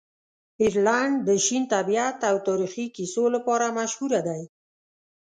آیرلنډ د شین طبیعت او تاریخي کیسو لپاره مشهوره دی.